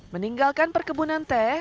meninggalkan perkebunan teh